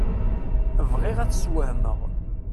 Bɣiɣ ad t-sswehmeɣ.